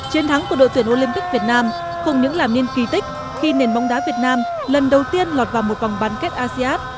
chiến thắng của đội tuyển olympic việt nam không những làm nên kỳ tích khi nền bóng đá việt nam lần đầu tiên lọt vào một vòng bán kết asean